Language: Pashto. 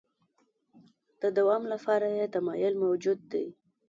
د دوام لپاره یې تمایل موجود دی.